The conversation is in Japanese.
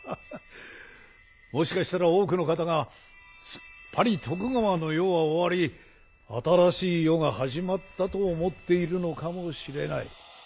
もしかしたら多くの方がすっぱり徳川の世は終わり新しい世が始まったと思っているのかもしれない。